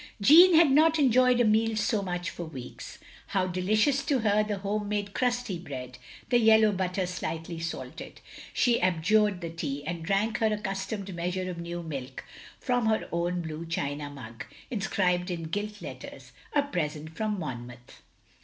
Jeanne had not enjoyed a meal so much for weeks. How delicious to her the home made crusty OF GROSVENOR SQUARE 141 br^td, the yellow butter slightly salted! She abjured the tea, and drank her accustomed measure of new milk, from her own blue china mug, inscribed in gilt letters, "A present from Monmouth.